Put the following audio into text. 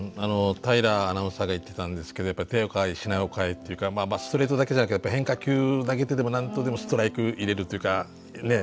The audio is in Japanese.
平良アナウンサーが言ってたんですけど手を変え品を変えっていうかまあストレートだけじゃなくて変化球投げてでもなんとでもストライク入れるというかね